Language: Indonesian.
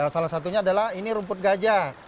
salah satunya adalah ini rumput gajah